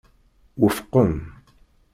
Wufqen.